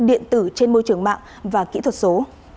điện tử trên môi trường mạng và kỹ thuật số